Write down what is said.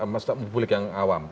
maksudnya mempulihkan awam